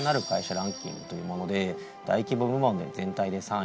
ランキングというもので大規模部門では全体で３位。